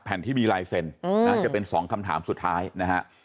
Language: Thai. ที่มีลายเซ็นจะเป็น๒คำถามสุดท้ายนะฮะ